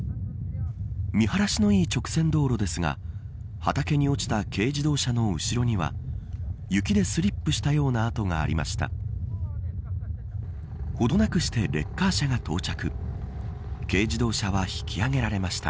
見晴らしのいい直線道路ですが畑に落ちた軽自動車の後ろには雪でスリップしたような跡がありました。